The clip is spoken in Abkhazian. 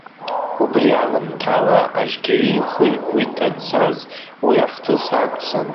Убри аламҭала Ажьгьери ихы-игәы иҭаӡаз уи ахҭыс акәӡан.